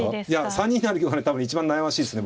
３二成香がね一番悩ましいですね